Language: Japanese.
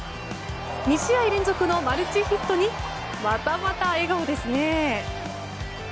２試合連続のマルチヒットにまたまた笑顔ですね。